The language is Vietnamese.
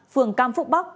phường cam phúc bắc